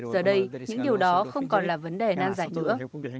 giờ đây những điều đó không còn là vấn đề nan giải nữa